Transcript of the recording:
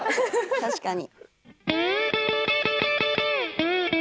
確かに。